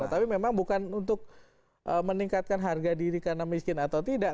tapi memang bukan untuk meningkatkan harga diri karena miskin atau tidak